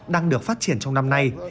đang được phát triển trong năm nay